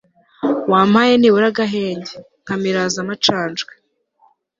wampaye nibura agahenge, nkamiraza amacandwe